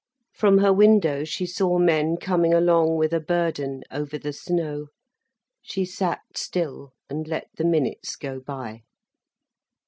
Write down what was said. From her window she saw men coming along with a burden, over the snow. She sat still and let the minutes go by.